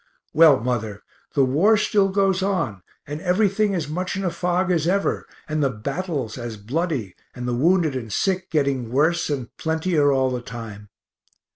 Well, mother, the war still goes on, and everything as much in a fog as ever and the battles as bloody, and the wounded and sick getting worse and plentier all the time.